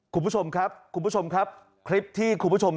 คุณผู้ชมครับคุณผู้ชมครับคลิปที่คุณผู้ชม